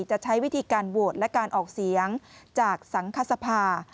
จะใช้วิธีการโหวตและการออกเสียงจากสังคสภา